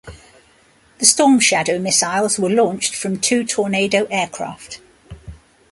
The Storm Shadow missiles were launched from two Tornado aircraft.